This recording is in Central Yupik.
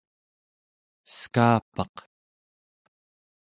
eskaapaq